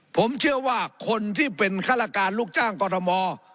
ผมเชื่อว่าคนที่เป็นฆาตการลูกจ้างกรทม